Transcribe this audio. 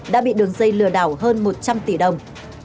đã bị đường dây lừa đảo hơn một trăm linh tỷ đồng